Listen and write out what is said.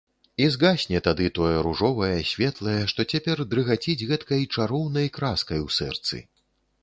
І згасне тады тое ружовае, светлае, што цяпер дрыгаціць гэткай чароўнай краскай у сэрцы.